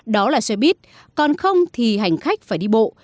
đó là xe buýt còn không thì hành khách phải đi bộ